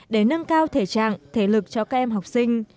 để nâng cao thể trạng thể lực cho các em học sinh